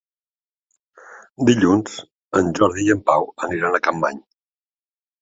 Dilluns en Jordi i en Pau aniran a Capmany.